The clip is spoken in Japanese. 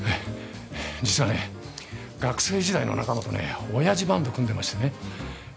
実はね学生時代の仲間とねおやじバンド組んでましてね